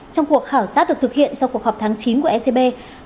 trong cuộc khảo sát được thực hiện sau cuộc họp tháng chín của ecb